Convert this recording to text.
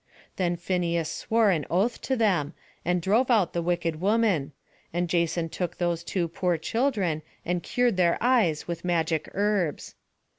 Then Phineus swore an oath to them, and drove out the wicked woman; and Jason took those two poor children, and cured their eyes with magic herbs.